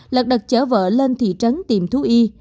lật đật chở vợ lên thị trấn tìm thu y